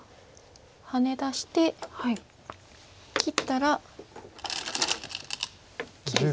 ハネ出して切ったら切り。